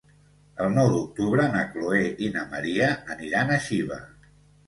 El nou d'octubre na Chloé i na Maria aniran a Xiva.